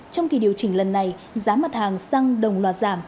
trong kỳ điều chỉnh lần này giá mặt hàng xăng đồng loại